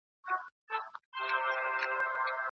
شاه امان الله خان د ټولنې د ټولو برخو د یووالي لپاره هڅې وکړې.